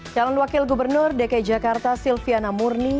calon wakil gubernur dki jakarta silviana murni